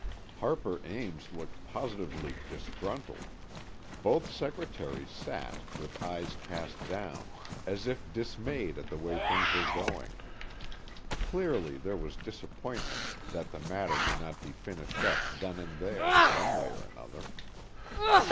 Harper Ames looked positively disgruntled. Both secretaries sat, with eyes cast down, as if dismayed at the way things were going. Clearly, there was disappointment that the matter could not be finished up then and there, one way or another.